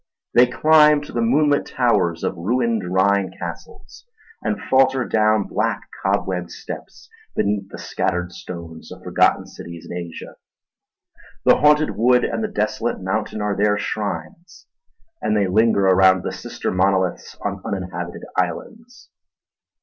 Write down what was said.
They climb to the moonlit towers of ruined Rhine castles, and falter down black cobwebbed steps beneath the scattered stones of forgotten cities in Asia. The haunted wood and the desolate mountain are their shrines, and they linger around the sinister monoliths on uninhabited islands.